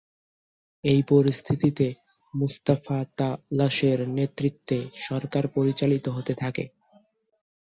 এই পরিস্থিতিতে মুস্তাফা ত’লাসের নেতৃত্বে সরকার পরিচালিত হতে থাকে।